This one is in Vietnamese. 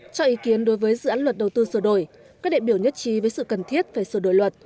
cho ý kiến đối với dự án luật đầu tư sửa đổi các đệ biểu nhất trí với sự cần thiết về sửa đổi luật